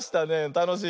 たのしいね。